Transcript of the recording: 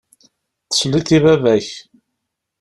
Tesliḍ i baba-k.